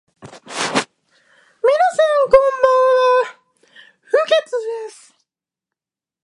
技を出す、その反応力ですね、アグベニュー選手の。